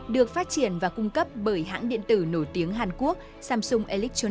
được phát triển và cung cấp bởi hãng điện tử nổi tiếng